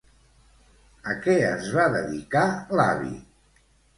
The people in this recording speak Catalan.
A què es va dedicar l'avi?